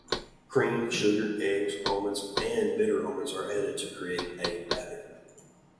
Cream, sugar, eggs, almonds and bitter almonds are added to create a batter.